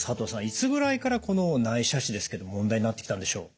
いつぐらいからこの内斜視ですけど問題になってきたんでしょう？